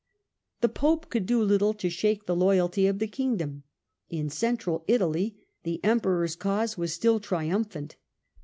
The Pope could do little to shake the loyalty of the Kingdom. In Central Italy the Emperor's cause was still triumphant.